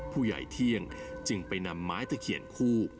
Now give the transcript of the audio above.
ผู้ใหญ่เที่ยงจึงไปนำไม้ตะเขียนคู่